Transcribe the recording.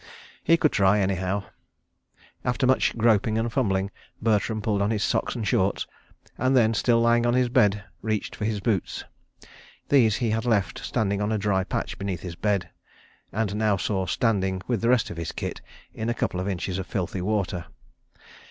... He could try anyhow. ... After much groping and fumbling, Bertram pulled on his socks and shorts, and then, still lying on his bed, reached for his boots. These he had left standing on a dry patch beneath his bed, and now saw standing, with the rest of his kit, in a couple of inches of filthy water.